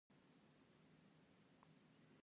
ایا له دې ځای راضي یاست؟